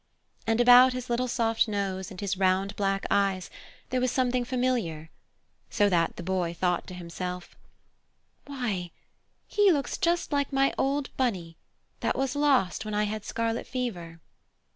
And about his little soft nose and his round black eyes there was something familiar, so that the Boy thought to himself: "Why, he looks just like my old Bunny that was lost when I had scarlet fever!"